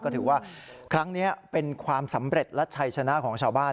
ก็ถือว่าครั้งนี้เป็นความสำเร็จและชัยชนะของชาวบ้าน